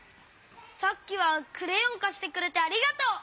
さっきはクレヨンかしてくれてありがとう！